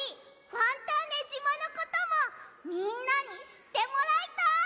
ファンターネじまのこともみんなにしってもらいたい！